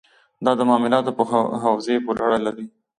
دا د معاملاتو په حوزې پورې اړه لري.